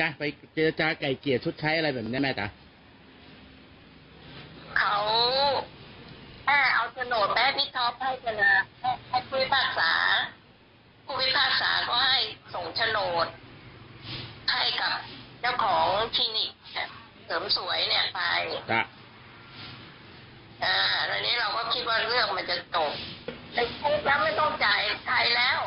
ตอนนี้เราก็คิดว่าเรื่องมันจะตกแล้วไม่ต้องจ่ายใครแล้ว